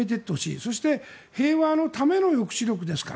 そして平和のための抑止力ですから。